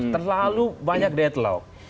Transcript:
terlalu banyak deadlock